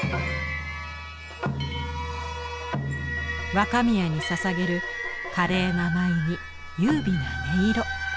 若宮にささげる華麗な舞に優美な音色。